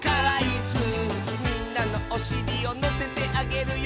「みんなのおしりをのせてあげるよ」